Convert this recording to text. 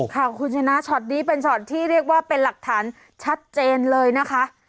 ค่ะคุณชนะช็อตนี้เป็นช็อตที่เรียกว่าเป็นหลักฐานชัดเจนเลยนะคะ